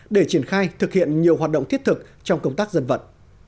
để triển khai thực hiện nhiều hoạt động thiết thực trong công tác dân vận